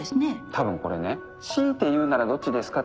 多分これね「強いて言うならどっちですか？」